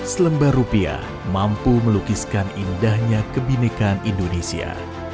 selembar rupiah mampu melukiskan indahnya kebinekaan indonesia